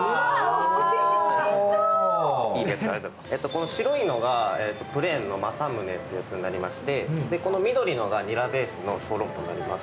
この白いのがプレーンの正宗っていうものになりまして、この緑のがニラベースのショーロンポーになります。